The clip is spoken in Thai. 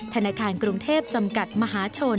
ธนาคารกรุงเทพจำกัดมหาชน